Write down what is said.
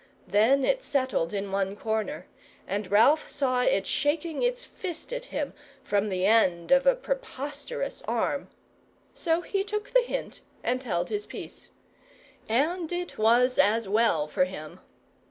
Then it settled in one corner, and Ralph saw it shaking its fist at him from the end of a preposterous arm. So he took the hint, and held his peace. And it was as well for him.